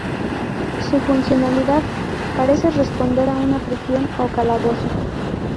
Su funcionalidad parece responder a una prisión o calabozo.